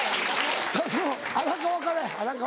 さぁその荒川からや荒川。